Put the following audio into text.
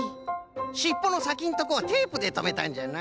しっぽのさきのところをテープでとめたんじゃな。